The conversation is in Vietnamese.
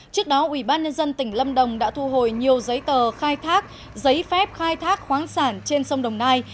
trước đó ủy ban nhân dân tỉnh lâm đồng đã thu hồi nhiều giấy tờ khai thác giấy phép khai thác khoáng sản trên sông đồng nai